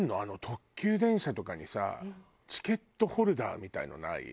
特急電車とかにさチケットホルダーみたいのない？